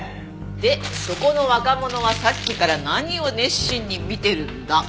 でそこの若者はさっきから何を熱心に見てるんだ？